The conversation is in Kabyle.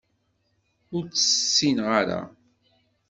Ur tt-tessineḍ ara.